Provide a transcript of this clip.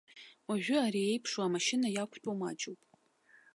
Уажәы ари еиԥшу амашьына иақәтәоу маҷуп.